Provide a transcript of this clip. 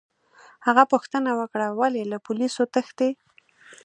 هغه پوښتنه وکړه: ولي، له پولیسو تښتې؟